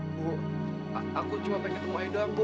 bu aku cuma pengen ketemu ayu doang bu